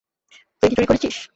তুই কি চুরি করেছিস?